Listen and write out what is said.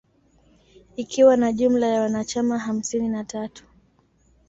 Ikiwa na jumla ya wanachama hamsini na tatu